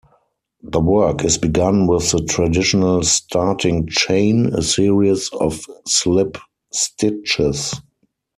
The work is begun with the traditional starting chain, a series of slip stitches.